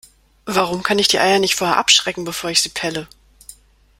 Warum kann ich die Eier nicht vorher abschrecken, bevor ich sie pelle?